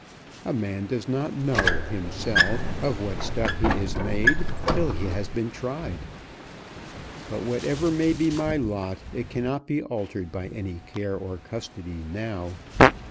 A man does not know, himself, of what stuff he is made, till he has been tried. But whatever may be my lot, it cannot be altered by any care or custody now.